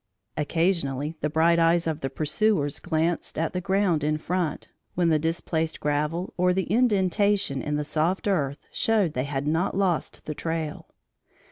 Occasionally the bright eyes of the pursuers glanced at the ground in front, when the displaced gravel or the indentation in the soft earth showed they had not lost the trail.